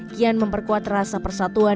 kian memperkuat rasa persatuan